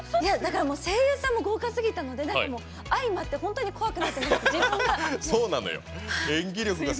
声優さんも豪華すぎたので相まって、本当に怖くなっています。